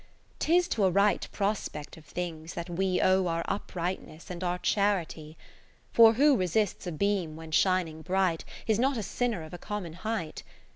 40 'Tis to a right prospect of things that we Owe our Uprightness and our Charity. For who resists a beam when shin ing bright. Is not a sinner of a common height.